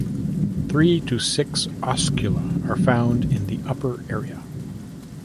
Three to six oscula are found in the upper area.